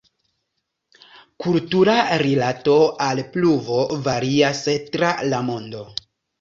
Kultura rilato al pluvo varias tra la mondo.